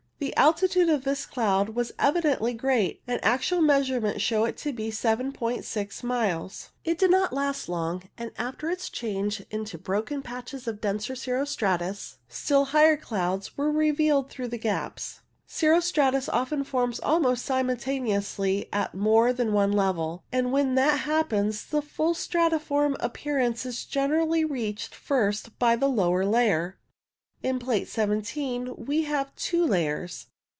The altitude of this cloud was evidently great, and actual measure ment showed it to be 7*6 miles. It did not last long, and after its change into broken patches of denser cirro stratus, still higher clouds were revealed through the gaps. Cirro stratus often forms almost simultaneously at more than one level, and when that happens the full stratiform appearance is generally reached first by the lower layer. In Plate 17 we have two layers.